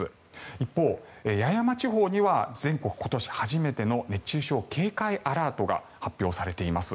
一方、八重山地方には全国今年初めての熱中症警戒アラートが発表されています。